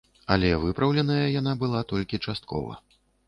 Але выпраўленая яна была толькі часткова.